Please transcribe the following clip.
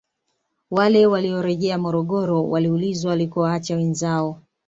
Wale waliorejea Morogoro waliulizwa walikowaacha wenzao